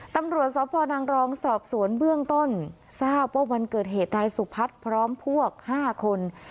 ตำรวจสพนางรองสอบสวนเบื้องต้นทราบว่าวันเกิดเหตุนายสุพัฒน์พร้อมพวก๕คน